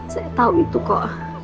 saya tau itu kok